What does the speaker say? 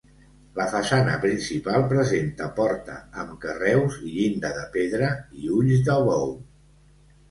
La façana principal presenta porta amb carreus i llinda de pedra i ulls de bou.